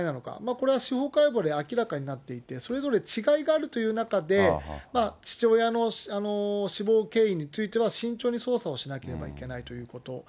これは司法解剖で明らかになっていて、それぞれ違いがあるという中で、父親の死亡経緯については慎重に捜査をしなければいけないということ。